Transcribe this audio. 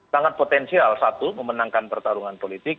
sangat potensial satu memenangkan pertarungan politik